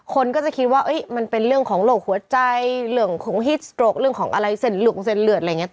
คนก็จะคิดว่าเอ้ยมันเป็นเรื่องของหลกหัวใจเรื่องของเรื่องของอะไรเสร็จเหลือกเสร็จเหลือดอะไรอย่างเงี้ย